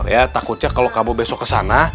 ya takutnya kalau kamu besok kesana